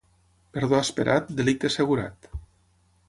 Perdó esperat, delicte assegurat.